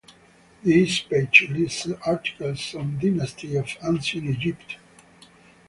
This page lists articles on dynasties of Ancient Egypt.